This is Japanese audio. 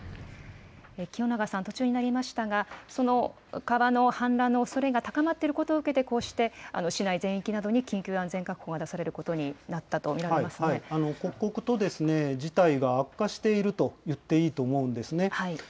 清永さん、途中になりましたが、その川の氾濫が高まっていることを受けて、こうして市内全域などに緊急安全確保が出されることになったと見刻々と事態が悪化しているといっていいと思うんですね。